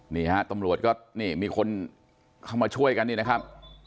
นี่ฮะตำรวจก็นี่มีคนเข้ามาช่วยกันนี่นะครับ